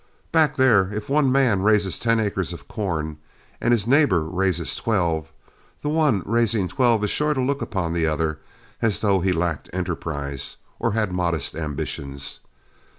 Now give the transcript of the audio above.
Back there if one man raises ten acres of corn and his neighbor raises twelve, the one raising twelve is sure to look upon the other as though he lacked enterprise or had modest ambitions.